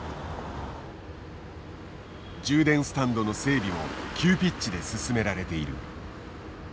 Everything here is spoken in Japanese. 充電スタンドの整備も急ピッチで進められている。